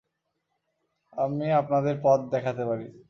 আমি আপনাদের পথ দেখাতে পারি।